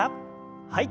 はい。